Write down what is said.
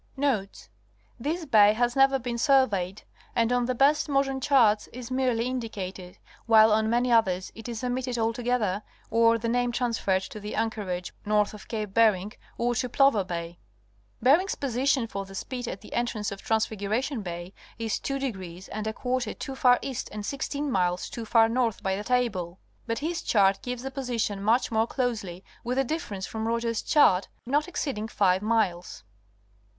Notes.—This bay has never been surveyed, and on the best modern charts is merely indicated, while on many others it is omitted altogether or the name transferred to the anchorage north of Cape Bering or to Plover Bay. Bering's position for the spit at the entrance of Transfigu ration Bay is two degrees and a quarter too far east and sixteen miles too far north by the table, but his chart gives the position much more closely, with a difference from Rodgers' chart of not exceeding five miles.